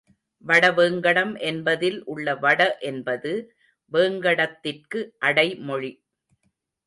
வடவேங்கடம் என்பதில் உள்ள வட என்பது வேங்கடத்திற்கு அடைமொழி.